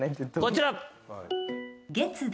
こちら。